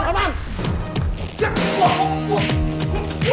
sekarang jangan libat tangan gue lu ya